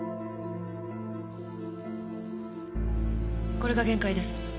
これが限界です。